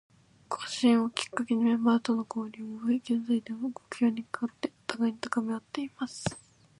更新をきっかけにメンバーとの交流も増え、現在では、目標に向かって互いに高めあっています。